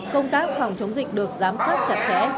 công tác phòng chống dịch được giám sát chặt chẽ